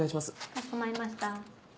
かしこまりました。